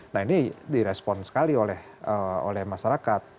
nah ini direspon sekali oleh masyarakat